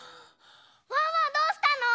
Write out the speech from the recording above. ワンワンどうしたの？